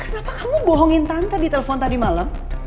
kenapa kamu bohongin tante di telepon tadi malam